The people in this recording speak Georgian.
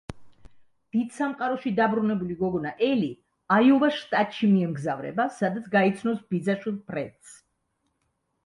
დიდ სამყაროში დაბრუნებული გოგონა ელი აიოვას შტატში მიემგზავრება, სადაც გაიცნობს ბიძაშვილ ფრედს.